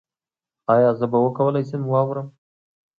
ایا زه به وکولی شم واورم؟